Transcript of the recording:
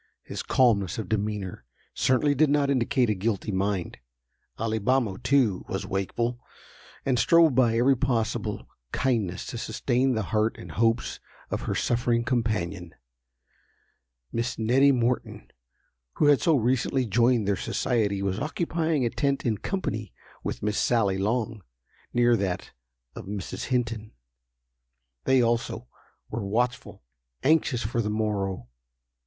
His calmness of demeanor certainly did not indicate a guilty mind. Alibamo, too, was wakeful, and strove by every possible kindness to sustain the heart and hopes of her suffering companion. Miss Nettie Morton, who had so recently joined their society, was occupying a tent in company with Miss Sally Long, near that of Mrs. Hinton. They also, were watchful—anxious for the morrow.